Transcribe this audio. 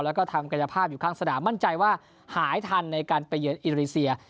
แล้วก็ทำกายภาพอยู่ข้างสนามมั่นใจว่าหายทันในการไปเยือนอินโดนีเซีย